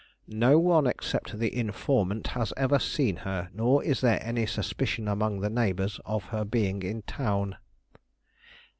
No one except the informant has ever seen her, nor is there any suspicion among the neighbors of her being in town."